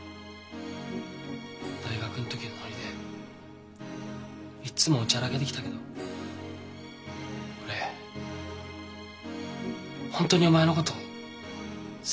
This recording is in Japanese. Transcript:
大学の時のノリでいっつもおちゃらけてきたけど俺本当にお前のこと好きだったよ。